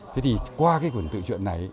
thế thì qua cái cuộn tự chuyện này